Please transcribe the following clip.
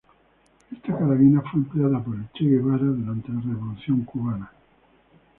Esta carabina fue empleada por el Che Guevara durante la Revolución Cubana.